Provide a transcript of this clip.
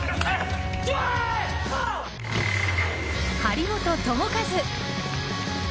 張本智和。